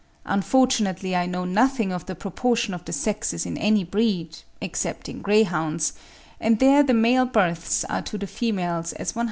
Unfortunately, I know nothing of the proportion of the sexes in any breed, excepting greyhounds, and there the male births are to the females as 110.